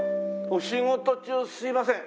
お仕事中すいません。